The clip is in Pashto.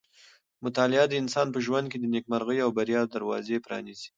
مطالعه د انسان په ژوند کې د نېکمرغۍ او بریا دروازې پرانیزي.